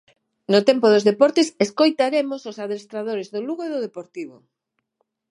No tempo dos deportes escoitaremos os adestradores do Lugo e do Deportivo.